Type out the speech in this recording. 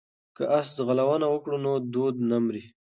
که اس ځغلونه وکړو نو دود نه مري.